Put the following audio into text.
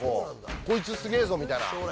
こいつ、すげーぞみたいな。